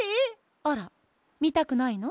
あらみたくないの？